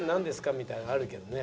みたいなのあるけどね。